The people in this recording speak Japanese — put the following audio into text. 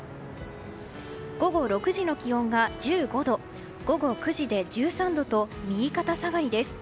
午後６時の気温が１５度午後９時で１３度と右肩下がりです。